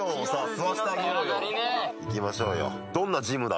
行きましょうよ。